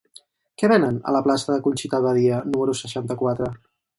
Què venen a la plaça de Conxita Badia número seixanta-quatre?